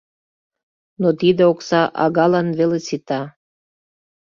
Но тиде окса агалан веле сита.